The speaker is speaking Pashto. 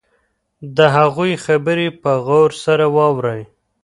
د هغوی خبرې په غور سره واورئ.